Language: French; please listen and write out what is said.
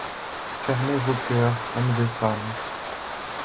Fermez vos coeurs, hommes et femmes